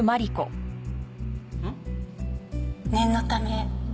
念のため。